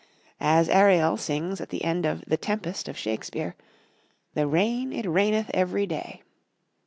As Ariel sings at the end of "The Tempest" of Shakespeare, "The rain, it raineth every day."